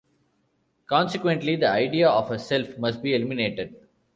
Consequently, the idea of a self must be eliminated.